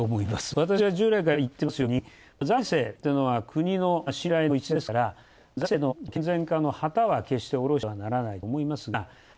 私は、従来からいってるように、財政というのは国の信頼の礎ですから、財政の健全化の旗は、旗は決しておろしてはならないと思うんです